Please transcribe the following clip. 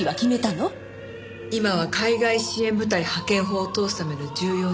今は海外支援部隊派遣法を通すための重要な時期ですから。